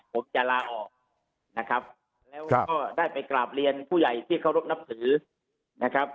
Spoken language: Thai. ผมจะลาออกนะครับแล้วก็ได้ไปกราบเรียนผู้ใหญ่ที่เคารพนับถือนะครับ